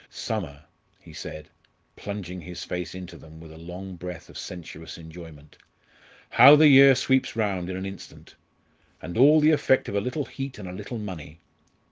"Summer!" he said, plunging his face into them with a long breath of sensuous enjoyment. "How the year sweeps round in an instant! And all the effect of a little heat and a little money.